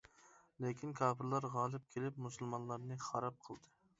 لېكىن كاپىرلار غالىپ كېلىپ مۇسۇلمانلارنى خاراب قىلدى.